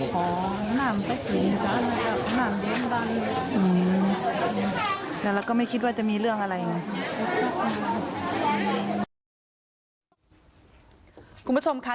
พระเจ้าที่อยู่ในเมืองของพระเจ้า